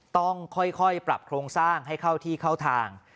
ต้องค่อยปรับโครงสร้างให้เข้าที่เข้าทาง